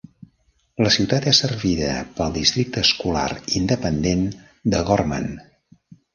La ciutat és servida pel districte escolar independent de Gorman.